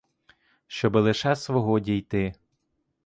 Щоби лише свого дійти.